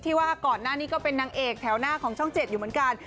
ว่าก่อนหน้านี้ก็เป็นนางเอกแถวหน้าของช่อง๗อยู่เหมือนกัน